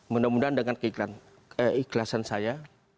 mudah mudahan dengan keikhlasan saya